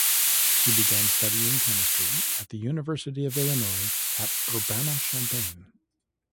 He began studying chemistry at the University of Illinois at Urbana-Champaign.